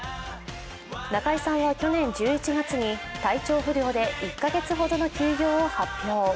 中居さんは去年１１月に体調不良で１か月ほどの休養を発表。